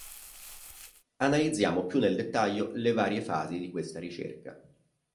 Analizziamo più nel dettaglio le varie fasi di questa ricerca.